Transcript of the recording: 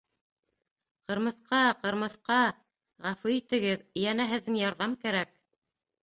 — Ҡырмыҫҡа, Ҡырмыҫҡа, ғәфү итегеҙ, йәнә һеҙҙең ярҙам кәрәк.